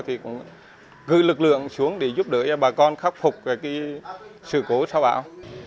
thì cũng gửi lực lượng xuống để giúp đỡ bà con khắc phục sự cố sau bão